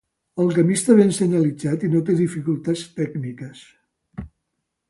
El camí està ben senyalitzat i no té dificultats tècniques.